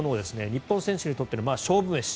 日本選手にとっての勝負飯。